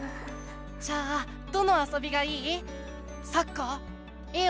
じゃあどのあそびがいい？